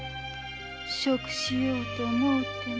食しようと思うても。